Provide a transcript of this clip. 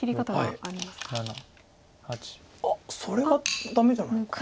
あっそれはダメじゃないか。